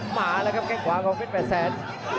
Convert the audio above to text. มาแล้วครับแค่งขวาของเพชรแปดแสน